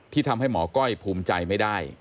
ทำให้หมอก้อยภูมิใจไม่ได้